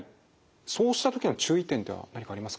そうした時の注意点っていうのは何かありますか？